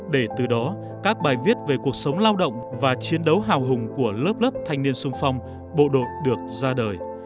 để từ đó các bài viết về cuộc sống lao động và chiến đấu hào hùng của lớp lớp thanh niên sung phong bộ đội được ra đời